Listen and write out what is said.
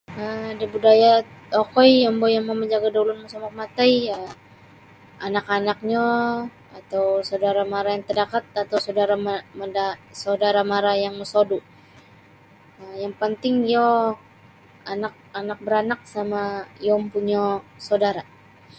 um da budaya okoi yombo' yang mamajaga' da ulun mosomok matai um anak-anaknyo atau saudara mara yang terdekat atau saudara ma mada' mara yang mosodu' yang panting iyo anak anak-baranak sama' iyo ompunyo saudara.